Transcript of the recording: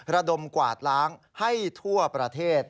ระดมกวาดล้างให้ทั่วประเทศ